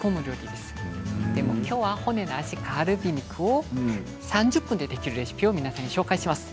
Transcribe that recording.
でも今日は、骨なしカルビ肉を３０分でできるレシピを皆さんにご紹介します。